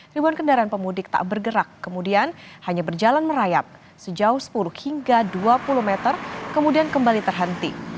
ribuan kendaraan pemudik tak bergerak kemudian hanya berjalan merayap sejauh sepuluh hingga dua puluh meter kemudian kembali terhenti